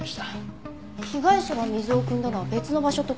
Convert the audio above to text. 被害者が水をくんだのは別の場所って事ですか？